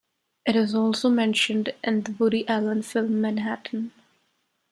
It is also mentioned in the Woody Allen film "Manhattan".